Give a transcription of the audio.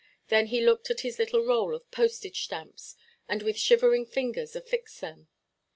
Then he looked at his little roll of postage–stamps, and with shivering fingers affixed them.